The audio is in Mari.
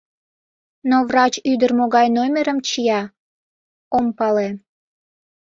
Но врач ӱдыр могай номерым чия — ом пале.